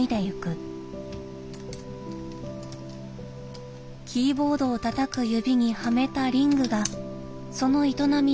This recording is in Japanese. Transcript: キーボードをたたく指にはめたリングがその営みを支えています。